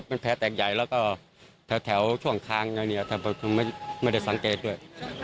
เป็นแผลแตงใหญ่แล้วก็แถวช่วงข้างไม่ได้สังเกตด้วย